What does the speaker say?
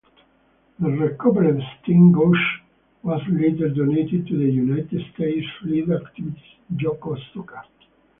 The recovered steam gauge was later donated to the United States Fleet Activities Yokosuka.